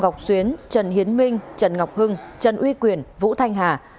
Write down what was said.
chân uy quyền vũ thanh hà